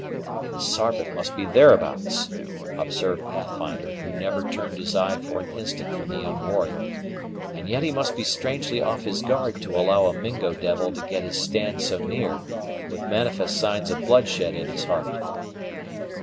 "The Sarpent must be thereabouts," observed Pathfinder, who never turned his eye for an instant from the young warrior; "and yet he must be strangely off his guard to allow a Mingo devil to get his stand so near, with manifest signs of bloodshed in his heart."